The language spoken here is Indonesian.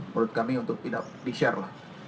menurut kami untuk tidak di share lah